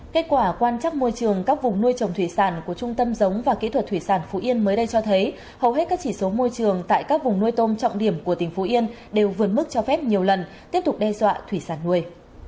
kết quả quan trắc môi trường các vùng nuôi trồng thủy sản của trung tâm giống và kỹ thuật thủy sản phú yên mới đây cho thấy hầu hết các chỉ số môi trường tại các vùng nuôi tôm trọng điểm của tỉnh phú yên đều vượt mức cho phép nhiều lần tiếp tục đe dọa thủy sản nuôi